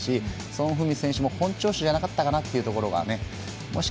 ソン・フンミン選手も本調子じゃなかったかなというところが。